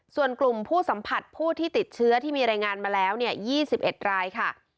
ส่วนกลุ่มผู้สัมผัสผู้ที่ติดเชื้อที่มีรายงานมาแล้ว๒๑รายค่ะ